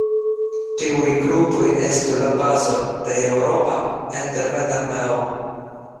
Tiuj grupoj estu la bazo de eŭropa intervenarmeo.